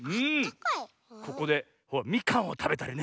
ここでみかんをたべたりね。